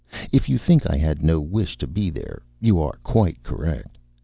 If you think I had no wish to be there, you are quite correct.